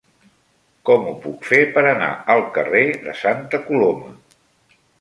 Com ho puc fer per anar al carrer de Santa Coloma?